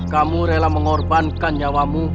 kamu rela mengorbankan nyawamu